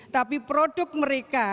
tapi produk mereka